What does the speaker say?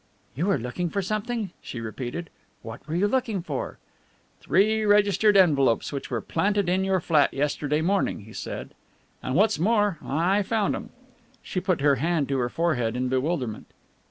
"You were looking for something?" she repeated. "What were you looking for?" "Three registered envelopes which were planted in your flat yesterday morning," he said, "and what's more I found 'em!" She put her hand to her forehead in bewilderment.